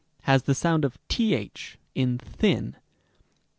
f. @ has the sound of th in thin.